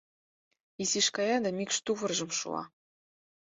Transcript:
Изиш кая да мӱкш тувыржым шуа.